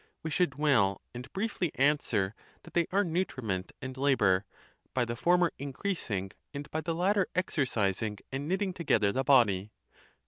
we should well and briefly answer, that they are nutriment and labour, by the former increasing, and by the latter exercising and knitting together the body.